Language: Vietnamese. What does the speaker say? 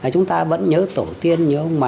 chúng ta vẫn nhớ tổ tiên